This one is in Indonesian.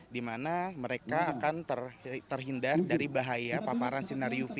di mana mereka akan terhindar dari bahaya paparan sinar uv